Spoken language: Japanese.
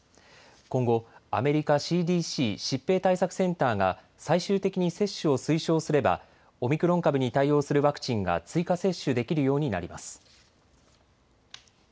今後、アメリカＣＤＣ・疾病対策センターが最終的に接種を推奨すればオミクロン株に対応するワクチンが追加接種できるようになります。